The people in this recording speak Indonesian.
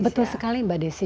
betul sekali mbak desi